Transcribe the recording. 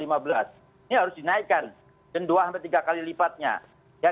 ini harus dinaikkan dan dua tiga kali lipatnya